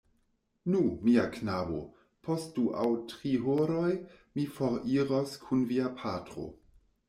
Nu, mia knabo, post du aŭ tri horoj mi foriros kun via patro...